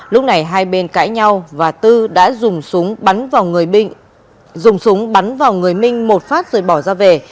lúc này hai bên cãi nhau và tư đã dùng súng bắn vào người minh một phát rồi bỏ ra về